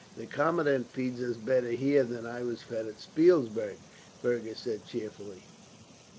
"The commandant feeds us better here than I was fed at Spielberg," Fergus said cheerfully.